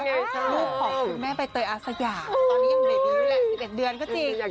ลูกของคุณแม่ใบเตยอาสยามตอนนี้ยังเด็กอายุแหละ๑๑เดือนก็จริง